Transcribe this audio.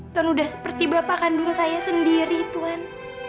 tuan udah seperti bapak kandung saya sendiri tuhan